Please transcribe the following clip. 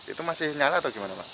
itu masih nyala atau gimana pak